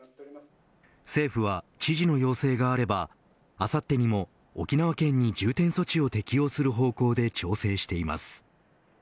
政府は知事の要請があればあさってにも沖縄県に重点措置を適用する方向で調整しています。